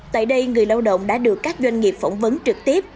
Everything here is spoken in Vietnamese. tại đây người lao động đã được các doanh nghiệp phỏng vấn trực tiếp